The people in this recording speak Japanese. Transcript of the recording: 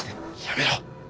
やめろ。